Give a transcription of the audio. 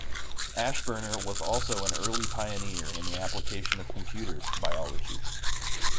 Ashburner was also an early pioneer in the application of computers to biology.